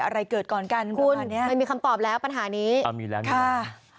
อะไรเกิดก่อนกันคุณไม่มีคำตอบแล้วปัญหานี้มีแล้วนะคะ